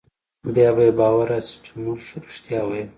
بيا به يې باور رايشي چې مونګه رښتيا ويل.